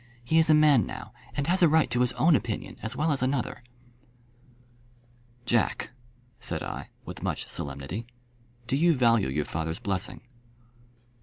He is a man now, and has a right to his own opinion as well as another." "Jack," said I, with much solemnity, "do you value your father's blessing?"